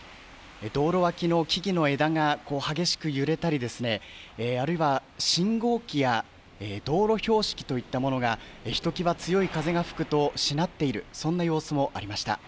道路脇の木々の枝が激しく揺れたりあるいは信号機や道路標識といったものがひときわ強い風が吹くとしなっているそんな様子もありました。